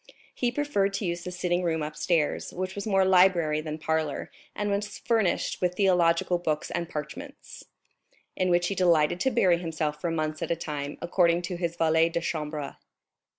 He preferred to use the sitting room upstairs, which was more library than parlor, and was furnished with theological books and parchments, in which he delighted to bury himself for months at a time, according to his valet de chambre.